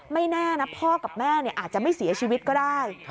แน่นะพ่อกับแม่อาจจะไม่เสียชีวิตก็ได้